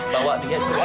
bawa dia ke rumah